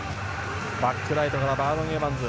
バックライトのバーノン・エバンズ。